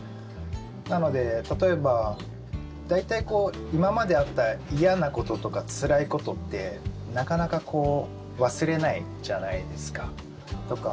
なので例えば、大体今まであった嫌なこととかつらいことって、なかなか忘れないじゃないですか、とか。